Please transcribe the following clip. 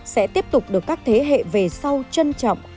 sẽ tiếp tục được các thế hệ về sau trân trọng